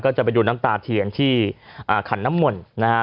ก็จะไปดูน้ำตาเถียงที่ขันน้ำหม่นนะฮะ